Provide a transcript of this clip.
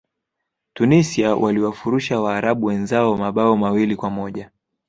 tunisia waliwafurusha waarabu wenzao mabao mawili kwa moja